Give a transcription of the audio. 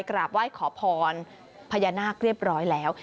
กราบไหว้ขอพรพญานาคเรียบร้อยแล้ว